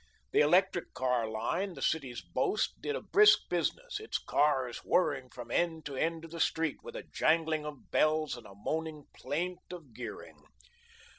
The electric car line, the city's boast, did a brisk business, its cars whirring from end to end of the street, with a jangling of bells and a moaning plaint of gearing.